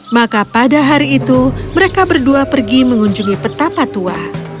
maka pada hari itu mereka berdua pergi mengunjungi petapa tua